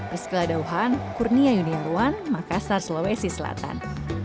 rizkyla dauhan kurnia yuniarwan makassar sulawesi selatan